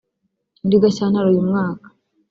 muri Gashyantare uyu mwaka